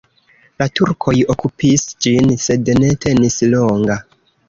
La turkoj okupis ĝin, sed ne tenis longa.